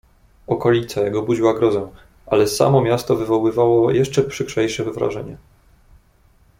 "Okolica jego budziła grozę, ale samo miasto wywoływało jeszcze przykrzejsze wrażenie."